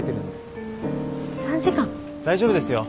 大丈夫ですよ。